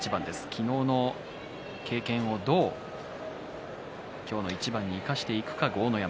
昨日の経験をどう今日の一番に生かしていくのか豪ノ山。